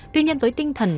tuy nhiên với tinh thần